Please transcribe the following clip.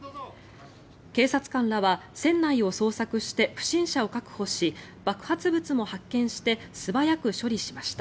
警察官らは船内を捜索して不審者を確保し爆発物も発見して素早く処理しました。